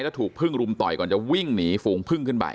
แล้วถูกพึ่งรุมต่อยก่อนจะวิ่งหนีฝูงพึ่งขึ้นไป